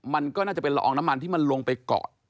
มันก็น่าจะเป็นละอองน้ำมันที่มันลงไปเกาะ